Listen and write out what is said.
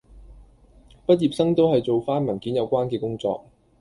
畢業生都係做返文件有關嘅工作